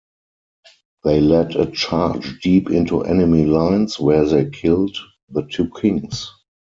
They led a charge deep into enemy lines where they killed the two kings.